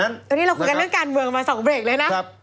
ตอนนี้เราคุยกันเรื่องการเมืองมา๒เบรกเลยนะ